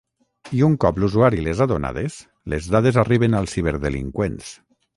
I un cop l’usuari les ha donades, les dades arriben als ciberdelinqüents.